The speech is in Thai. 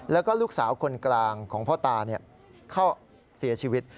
แล้วก็ลูกสาวคนกลางของพ่อตาเขาเสียชีวิต